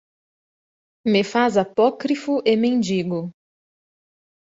me faz apócrifo e mendigo.